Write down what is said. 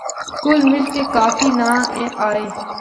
کل مل کے کافی ناں آئے۔